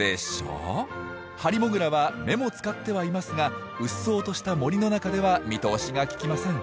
ハリモグラは目も使ってはいますがうっそうとした森の中では見通しがききません。